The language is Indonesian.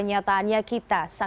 di rumah sakit mana pak